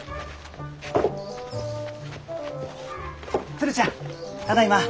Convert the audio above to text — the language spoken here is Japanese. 鶴ちゃんただいま。